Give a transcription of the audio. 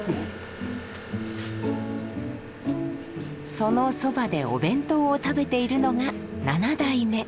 そのそばでお弁当を食べているのが七代目。